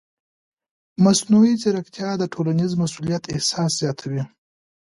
مصنوعي ځیرکتیا د ټولنیز مسؤلیت احساس زیاتوي.